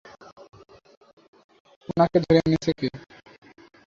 উনাকে ধরে এনেছে কে?